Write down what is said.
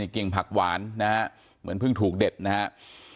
กิ่งผักหวานนะฮะเหมือนเพิ่งถูกเด็ดนะครับ